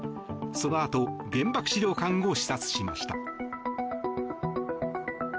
そのあと原爆資料館を視察しました。